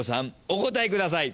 お答えください。